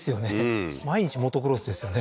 うん毎日モトクロスですよね